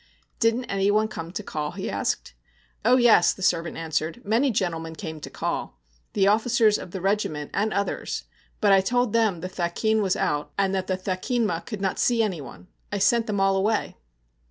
'Didn't anyone come to call?' he asked. 'Oh yes,' the servant answered; 'many gentlemen came to call the officers of the regiment and others. But I told them the thakin was out, and that the thakinma could not see anyone. I sent them all away.'